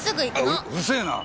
うっうるせえな！